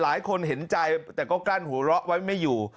หลายคนเห็นใจแต่ก็กลั้นหัวเราะไว้ไม่อยู่